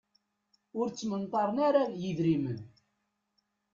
Ur ttmenṭaren ara yidrimen.